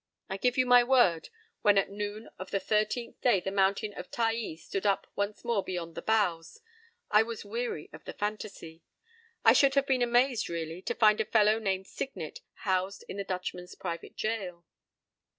I give you my word, when at noon of the thirteenth day the mountain of Taai stood up once more beyond the bows, I was weary of the fantasy. I should have been amazed, really, to find a fellow named Signet housed in the Dutchman's private jail.